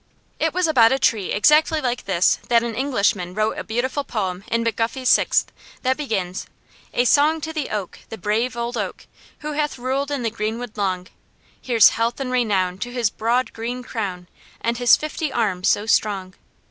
It was about a tree exactly like this that an Englishman wrote a beautiful poem in McGuffey's Sixth, that begins: "A song to the oak, the brave old oak, Who hath ruled in the greenwood long; Here's health and renown to his broad green crown, And his fifty arms so strong."